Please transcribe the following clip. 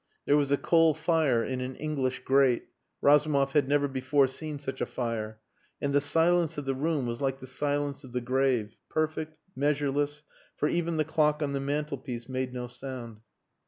There was a coal fire in an English grate; Razumov had never before seen such a fire; and the silence of the room was like the silence of the grave; perfect, measureless, for even the clock on the mantelpiece made no sound.